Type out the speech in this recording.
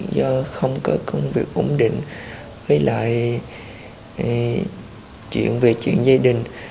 do không có công việc ổn định với lại chuyện về chuyện gia đình